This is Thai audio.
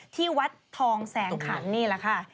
ที่วัดทองแสงขันนี่แหละค่ะ